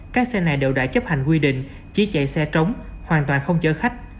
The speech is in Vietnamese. các xe này đều đã chấp hành quy định chỉ chạy xe trống hoàn toàn không chở khách